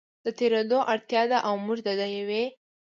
د تېرېدو اړتیا ده او موږ د یوې